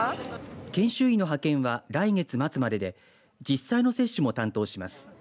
研修医の派遣は来月末までで実際の接種も担当します。